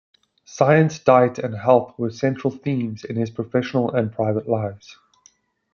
Science, diet, and health were central themes in his professional and private lives.